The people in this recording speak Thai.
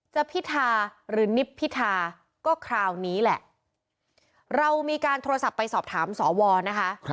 พิธาหรือนิบพิธาก็คราวนี้แหละเรามีการโทรศัพท์ไปสอบถามสวนะคะ